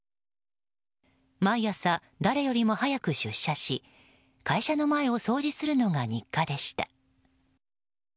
毎朝、誰よりも早く出社し会社の前を掃除するのが日課でした。